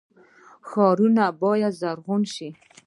ښارونه باید زرغون شي